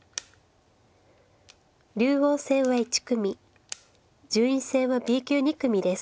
竜王戦は１組順位戦はＢ級２組です。